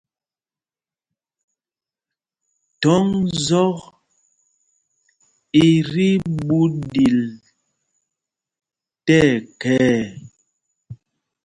Thɔŋ zɔk i tí ɓuu ɗil tí ɛkhɛɛ.